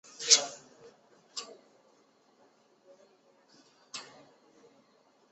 毛柱瑞香为瑞香科瑞香属下的一个变种。